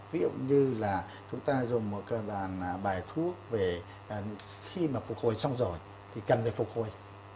ví dụ như là chúng ta dùng một làn bài thuốc về khi mà phục hồi xong rồi thì cần phải phục hồi